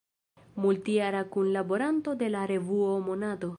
Multjara kunlaboranto de la revuo "Monato".